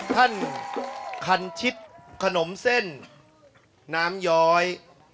ท่านคันชิดขนมเส้นน้ำยอย